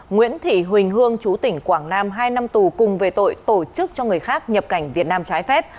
nguyễn thị huỳnh hương chú tỉnh quảng nam hai năm tù cùng về tội tổ chức cho người khác nhập cảnh việt nam trái phép